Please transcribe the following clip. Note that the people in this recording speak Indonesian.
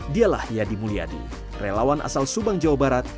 dialah yadi mulyadi relawan asal subang jawa barat